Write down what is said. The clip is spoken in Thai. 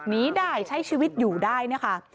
หนีได้ใช้ชีวิตอยู่ได้นะคะ